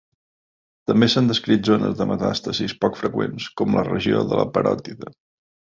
També s'han descrit zones de metàstasis poc freqüents, com la regió de la paròtide.